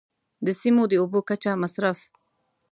د سیمو د اوبو کچه، مصرف.